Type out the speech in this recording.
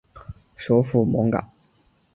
首府蒙戈。